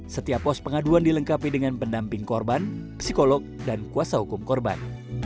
setiap pos pengaduan dilengkapi dengan pendamping korban psikolog dan kuasa hukum korban